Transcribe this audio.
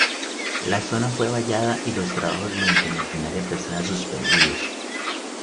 La zona fue vallada y los trabajos mediante maquinaria pesada, suspendidos.